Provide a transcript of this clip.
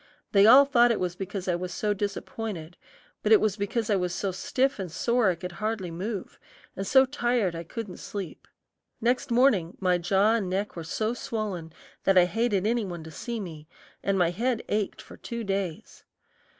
They all thought it was because I was so disappointed, but it was because I was so stiff and sore I could hardly move, and so tired I couldn't sleep. Next morning my jaw and neck were so swollen that I hated any one to see me, and my head ached for two days.